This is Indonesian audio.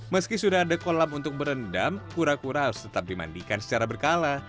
meski sudah ada kolam untuk berendam kura kura harus tetap dimandikan secara berkala